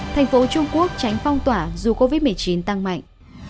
thành phố trung quốc tránh phong tỏa dù covid một mươi chín tăng mạnh